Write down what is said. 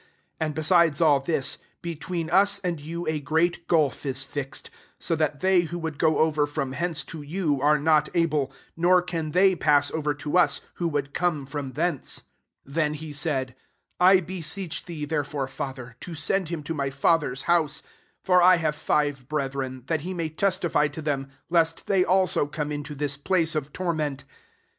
26 And, be sides all this, between us and you a great gulf is fixed : so that they who would go over from hence to you, are not able ; nor can they pass over to us, who vfould come from thence.' 27 " Then he said, * I beseech thee< therefore, father, to send him to my father's house ;^ for I have five brethren; that he may testify to them, lest they also come into this place of torment.'